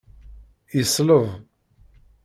Yesleb.